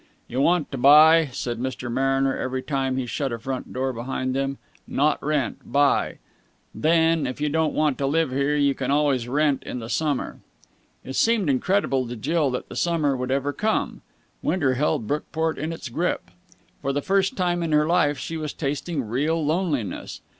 "You want to buy," said Mr. Mariner every time he shut a front door behind them. "Not rent. Buy. Then, if you don't want to live here, you can always rent in the summer." It seemed incredible to Jill that the summer would ever come. Winter held Brookport in its grip. For the first time in her life she was tasting real loneliness.